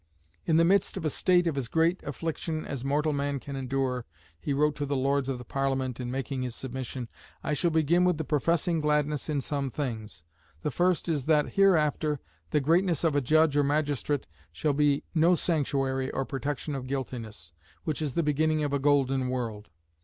"In the midst of a state of as great affliction as mortal man can endure," he wrote to the Lords of the Parliament, in making his submission, "I shall begin with the professing gladness in some things. The first is that hereafter the greatness of a judge or magistrate shall be no sanctuary or protection of guiltiness, which is the beginning of a golden world.